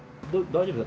大丈夫？